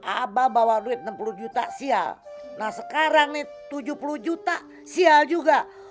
abah bawa duit enam puluh juta sial nah sekarang nih tujuh puluh juta sial juga